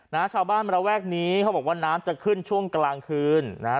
ชาวบ้านระแวกนี้เขาบอกว่าน้ำจะขึ้นช่วงกลางคืนนะฮะ